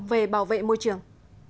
về bảo vệ môi trường